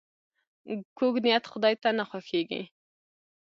کوږ نیت خداي ته نه خوښیږي